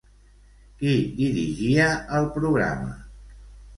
Qui dirigia el programa?